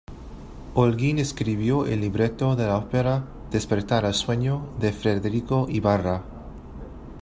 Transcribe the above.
Olguín escribió el libreto de la ópera "Despertar al sueño" de Federico Ibarra.